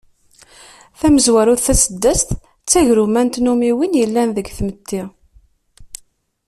Tamezwarut, taseddast d tagruma n tnummiwin yellan deg tmetti.